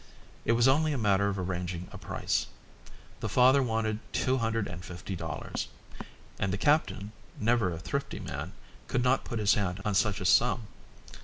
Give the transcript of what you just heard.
It was only a matter of arranging a price. The father wanted two hundred and fifty dollars, and the captain, never a thrifty man, could not put his hand on such a sum.